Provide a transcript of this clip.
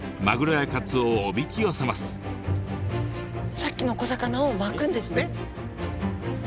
スタジオさっきの小魚をまくんですね。